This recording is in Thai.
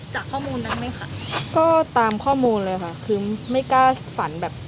จากข้อมูลนั้นไหมคะก็ตามข้อมูลเลยค่ะคือไม่กล้าฝันแบบ